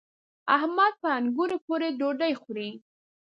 احمد په انګورو پورې ډوډۍ خوري.